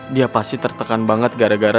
dia pasti tertekan banget gara gara